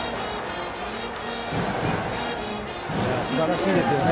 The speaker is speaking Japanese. すばらしいですね。